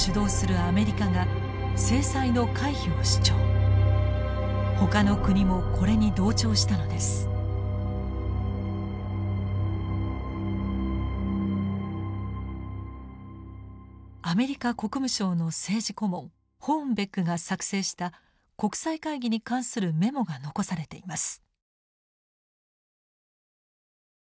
アメリカ国務省の政治顧問ホーンベックが作成した国際会議に関するメモが残されています。